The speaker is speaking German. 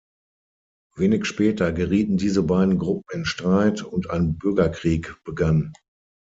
Wenig später gerieten diese beiden Gruppen in Streit und ein Bürgerkrieg begann.